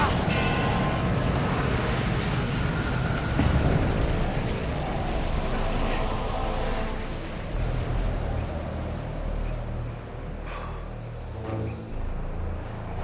kau akan menang